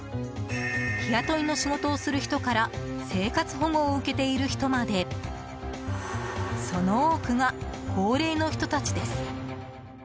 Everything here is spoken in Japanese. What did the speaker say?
日雇いの仕事をする人から生活保護を受けている人までその多くが高齢の人たちです。